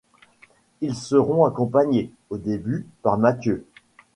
Ils seront accompagnés, au début, par Matthieu.